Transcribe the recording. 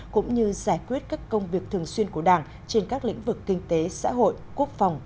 cũng như giải quyết các công việc thường xuyên của đảng trên các lĩnh vực kinh tế xã hội quốc phòng